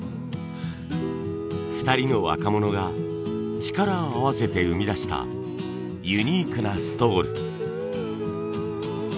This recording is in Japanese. ２人の若者が力を合わせて生み出したユニークなストール。